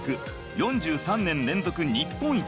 ４３年連続日本一。